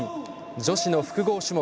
女子の複合種目